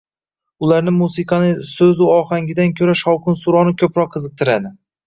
Ularni musiqaning so`zu ohangidan ko`ra shovqin-suroni ko`proq qiziqtiradi